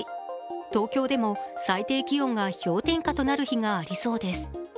東京でも最低気温が氷点下となる日がありそうです。